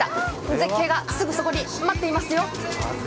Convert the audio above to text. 絶景がすぐそこに待っていますよ。